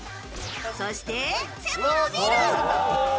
そして背も伸びる！